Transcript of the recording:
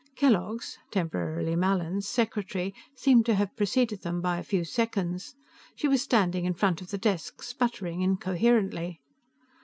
Kellogg's temporarily Mallin's secretary seemed to have preceded them by a few seconds; she was standing in front of the desk sputtering incoherently.